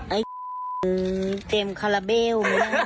ไอ้เต็มฮาราเบล